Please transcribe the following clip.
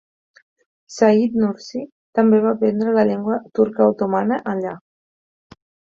Said Nursi també va aprendre la llengua turca otomana allà.